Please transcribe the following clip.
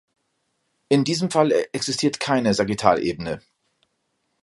In diesem Fall existiert keine Sagittalebene.